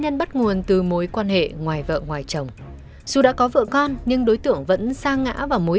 nhân bắt nguồn từ mối quan hệ ngoài vợ ngoài chồng dù đã có vợ con nhưng đối tưởng vẫn sa ngã và mối